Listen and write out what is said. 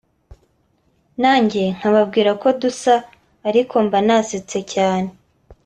nanjye nkababwira ko dusa ariko mba nasetse cyane